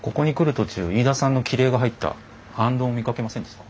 途中飯田さんの切り絵が入った行灯を見かけませんでした？